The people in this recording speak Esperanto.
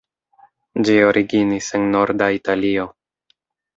Ĝi originis en norda Italio.